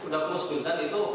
udah close buildan itu